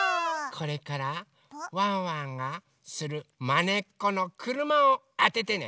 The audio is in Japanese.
これからワンワンがするまねっこのくるまをあててね。